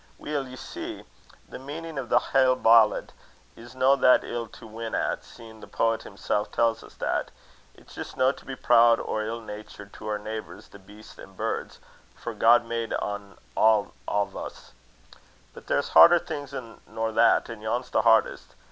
"Weel, ye see, the meanin' o' the haill ballant is no that ill to win at, seein' the poet himsel' tells us that. It's jist no to be proud or ill natured to oor neebours, the beasts and birds, for God made ane an' a' o's. But there's harder things in't nor that, and yon's the hardest.